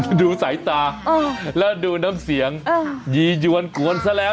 ดูสายตาแล้วดูน้ำเสียงยียวนกวนซะแล้ว